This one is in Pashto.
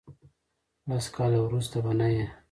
لس کاله ورسته به نه یی.